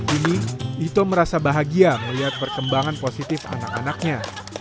ini ito merasa bahagia melihat perkembangan positif anak anaknya